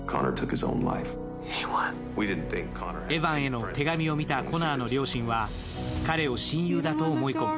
エヴァンへの手紙を見たコナーの両親は彼を親友だと思い込む。